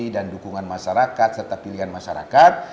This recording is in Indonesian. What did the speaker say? dan dukungan masyarakat serta pilihan masyarakat